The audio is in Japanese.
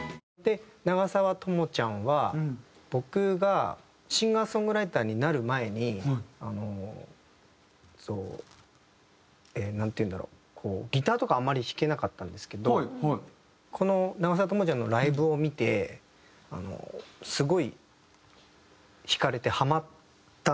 で長澤知ちゃんは僕がシンガー・ソングライターになる前にそうなんていうんだろうギターとかあんまり弾けなかったんですけどこの長澤知ちゃんのライブを見てすごい惹かれてハマったんですよね。